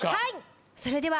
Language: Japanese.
はい。